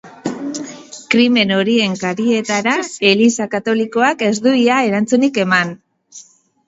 Krimen horien karietara, Eliza Katolikoak ez du ia erantzunik eman.